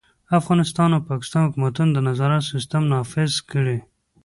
افغانستان او پاکستان حکومتونه د نظارت سیستم نافذ کړي.